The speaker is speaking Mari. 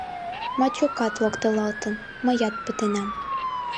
Мачукат локтылалтын, мыят пытенам...